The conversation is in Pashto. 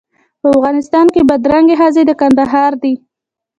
په افغانستان کې بدرنګې ښځې د کندهار دي.